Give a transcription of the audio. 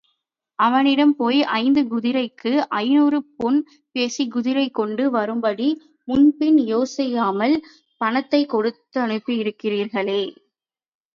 அவனிடம் போய் ஐந்து குதிரைக்கு ஐநூறு பொன் பேசி குதிரை கொண்டு வரும்படி, முன்பின் யோசியாமல் பணத்தைக் கொடுத்தனுப்பியிருக்கிறீர்களே!